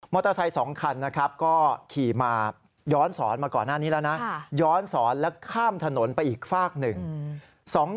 มอเตอร์ไซค์๒คันก็ขี่ย้อนซ้อนแล้วข้ามถนนไปอีกฝากหนึ่ง